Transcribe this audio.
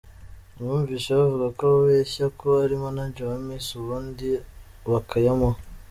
Numvise bavuga ko ababeshya ko ari manager wa Miss ubundi bakayamuha…”.